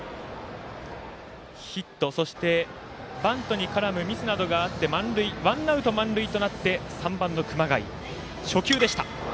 ヒット、そしてバントに絡むミスなどがあってワンアウト、満塁となって３番の熊谷、初球でした。